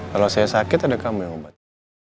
kalau saya sakit ada kamu yang obat